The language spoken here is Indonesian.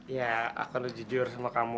ya aku harus jujur sama kamu